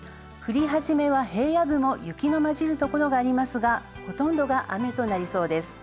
降り始めは平野部も雪のまじるところがありますが、ほとんどが雨となりそうです。